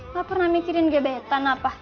gak pernah mikirin gebetan apa